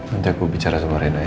nanti aku bicara sama rena ya